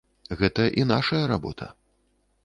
Гэта і нашая работа.